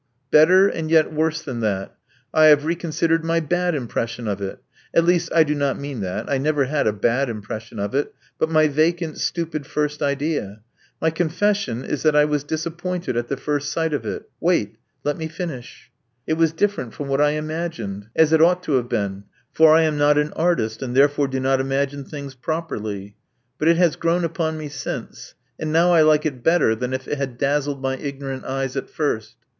Better and yet worse than that. I have reconsidered my bad impression of it — at least, I do not mean that — I never had a bad impression of it, but my vacant, stupid first idea. My confession is that I was disappointed at the first sight of it Wait: let me finish. It was different from what I imagined, as 26 Love Among the Artists it ought to have been; for I am not an artist, and therefore do not imagine things properly. But it has grown upon me since; and now I like it better than if it had dazzled my ignorant eyes at first.